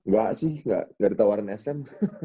gak sih gak gak ada tawaran sm